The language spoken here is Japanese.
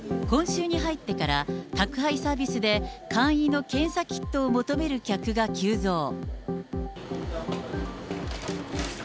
今週に入ってから、宅配サービスで簡易の検査キットを求める客が急増。